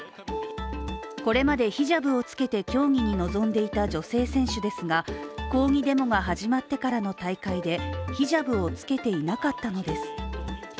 これまでヒジャブを着けて競技に臨んでいた女性選手ですが抗議デモが始まってからの大会でヒジャブを着けていなかったのです。